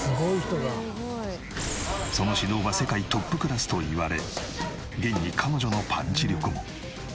その指導は世界トップクラスといわれ現に彼女のパンチ力も。